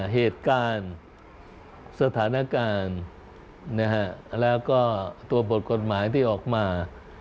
เหตุการณ์สถานการณ์แล้วก็ตัวบทกฎหมายที่ออกมา